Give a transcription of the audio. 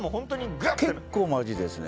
結構マジですね。